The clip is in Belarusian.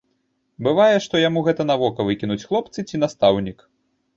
Бывае, што яму гэта на вока выкінуць хлопцы ці настаўнік.